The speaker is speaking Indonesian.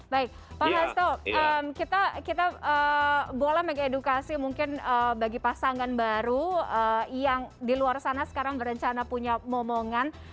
baik pak hasto kita boleh mengedukasi mungkin bagi pasangan baru yang di luar sana sekarang berencana punya momongan